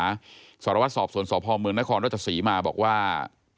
คันอาสาสรวจสอบส่วนสพมนรศมาบอกว่า